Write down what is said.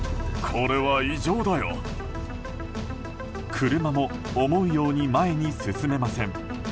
車も思うように前に進めません。